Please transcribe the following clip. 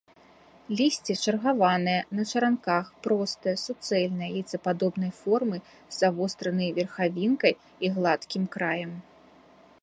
Лісце чаргаванае, на чаранках, простае, суцэльнае, яйцападобнай формы, з завостранай верхавінкай і гладкім краем.